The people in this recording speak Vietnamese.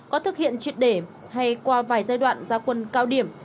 có thực hiện triệt để hay qua vài giai đoạn gia quân cao điểm